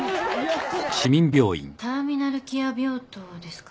ターミナルケア病棟ですか？